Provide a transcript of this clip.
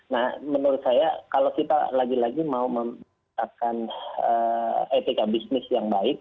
nah menurut saya kalau kita lagi lagi mau menggunakan etika bisnis yang baik